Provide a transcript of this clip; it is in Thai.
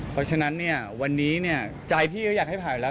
เพราะฉะนั้นวันนี้ใจพี่อยากให้ผ่ากันแล้ว